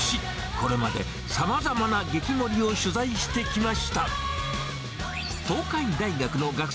これまでさまざまな激盛りを取材してきました。